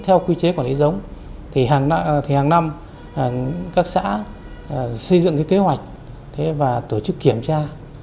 theo quy chế quản lý giống thì hàng năm các xã xây dựng kế hoạch và tổ chức kiểm tra